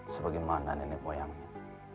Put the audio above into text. sebagaimana nenek moyangnya